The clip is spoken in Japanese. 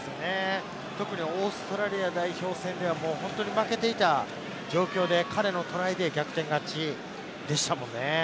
特にオーストラリア代表戦では本当に負けていた状況で、彼のトライで逆転勝ちでしたもんね。